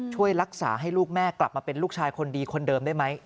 ช่วยรักษาให้ลูกแม่กลับมาเป็นลูกชายคนดีคนเดิมได้ไหม